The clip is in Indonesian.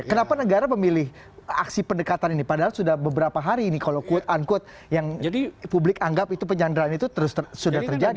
kenapa negara memilih aksi pendekatan ini padahal sudah beberapa hari ini kalau quote unquote yang publik anggap itu penyanderaan itu sudah terjadi